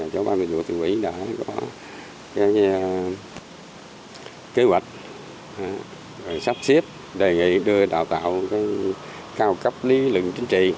chỗ ba mươi vụ tự hủy đã có cái kế hoạch sắp xếp đề nghị đưa đào tạo cao cấp lý lượng chính trị